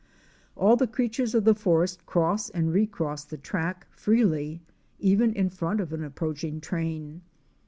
All the creatures of the forest cross and recross the track freely, even in front of an approaching train.